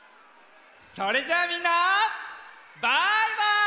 それじゃあみんなバイバイ！